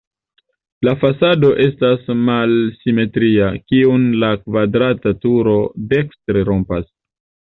La fasado estas malsimetria, kiun la kvadrata turo dekstre rompas.